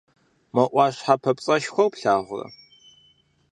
Мо Ӏуащхьэ папцӀэшхуэр плъагъурэ?